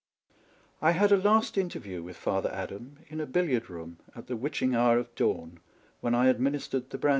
I had a last interview with Father Adam in a billiard room at the witching hour of dawn, when I administered the brandy.